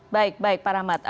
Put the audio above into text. baik baik pak rahmat